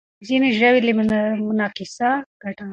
ځينې ژوي له مقناطيسه ګټه اخلي.